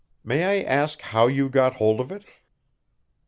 May I ask how you got hold of it?"